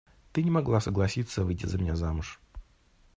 Ты не могла согласиться выйти за меня замуж.